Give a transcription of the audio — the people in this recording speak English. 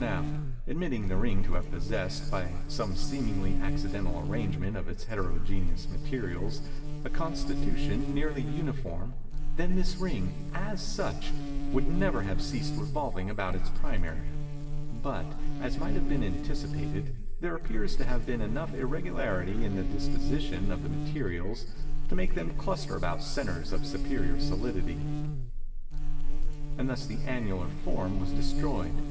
Now, admitting the ring to have possessed, by some seemingly accidental arrangement of its heterogeneous materials, a constitution nearly uniform, then this ring, as such, would never have ceased revolving about its primary; but, as might have been anticipated, there appears to have been enough irregularity in the disposition of the materials, to make them cluster about centres of superior solidity; and thus the annular form was destroyed.